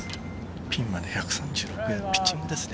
ピンまで１３６ヤード、ピッチングですね。